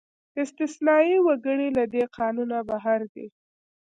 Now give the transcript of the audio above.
استثنايي وګړي له دې قانونه بهر دي.